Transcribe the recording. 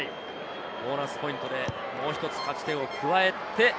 ボーナスポイントでもう１つ勝ち点を加えて。